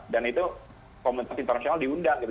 dan itu kompetensi internasional diundang gitu